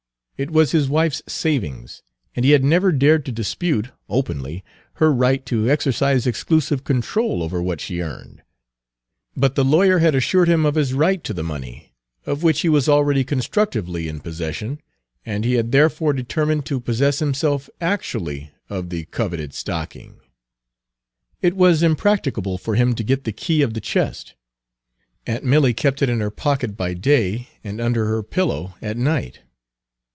It was his wife's savings, and he had never dared to dispute, openly, her right to exercise exclusive control over what she earned; but the lawyer had assured him of his right to the money, of which he was already constructively in possession, and he had therefore determined Page 222 to possess himself actually of the coveted stocking. It was impracticable for him to get the key of the chest. Aunt Milly kept it in her pocket by day and under her pillow at night.